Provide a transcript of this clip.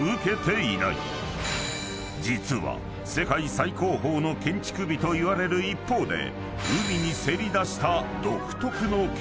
［実は世界最高峰の建築美といわれる一方で海にせり出した］